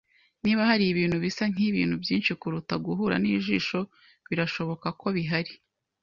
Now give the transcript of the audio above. Niba hari ibintu bisa nkibintu byinshi kuruta guhura nijisho, birashoboka ko bihari.